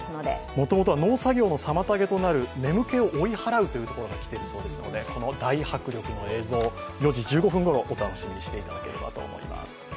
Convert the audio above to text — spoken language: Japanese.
もともとは農作業の妨げになる眠気を追い払うというところから来ているそうで、この大迫力の映像を４時１５分ごろ、お楽しみにしていただければと思います。